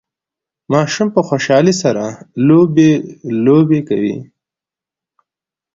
ماشوم په خوشحالۍ سره لوبي لوبې کوي